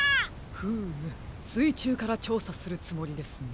フームすいちゅうからちょうさするつもりですね。